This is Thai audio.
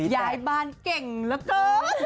ยายบ้านเก่งเหลือเกิน